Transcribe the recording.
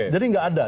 jadi gak ada